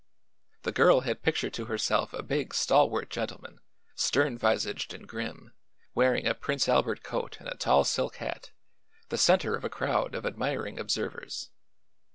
The girl had pictured to herself a big, stalwart gentleman, stern visaged and grim, wearing a Prince Albert coat and a tall silk hat, the center of a crowd of admiring observers.